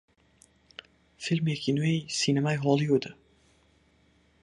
فیلمێکی نوێی سینەمای هۆلیوودە